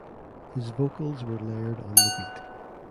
His vocals were layered on the beat.